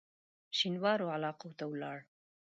شینوارو علاقو ته ولاړ.